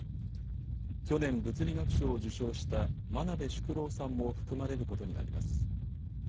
去年、物理学賞を受賞した真鍋淑郎さんも含まれることになります。